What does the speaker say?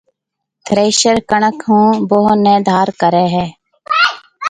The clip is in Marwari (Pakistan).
ٿريشر ڪڻڪ هون ڀوه نَي ڌار ڪريَ هيَ۔